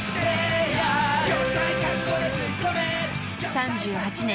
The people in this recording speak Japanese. ［３８年。